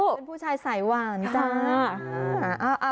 เป็นผู้ชายสายหวานจ้า